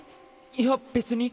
いや別に。